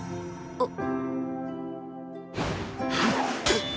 あっ。